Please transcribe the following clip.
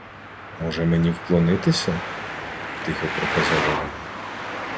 — Може, мені вклонитися? — тихо проказала вона.